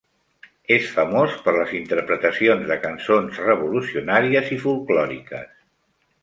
És famós per les interpretacions de cançons revolucionàries i folklòriques.